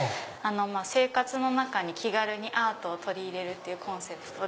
生活の中に気軽にアートを取り入れるってコンセプトで。